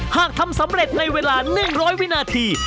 หากทำสำเร็จในเวลา๑๐๐วินาที